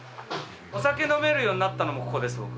お酒飲めるようになったのもここです。